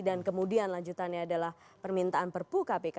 dan kemudian lanjutannya adalah permintaan perpu kpk